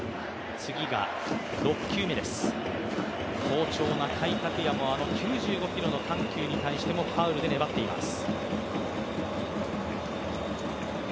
好調な甲斐拓也もあの９５キロの緩急に対しても、ファウルで粘っています。